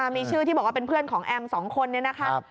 มีชื่อที่บอกว่าเป็นเพื่อนของแอม๒คนนี้นะครับ